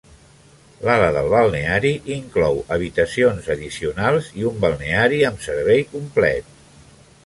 L'ala del balneari inclou habitacions addicionals i un balneari amb servei complet.